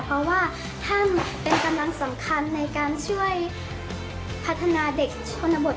เพราะว่าท่านเป็นกำลังสำคัญในการช่วยพัฒนาเด็กชนบท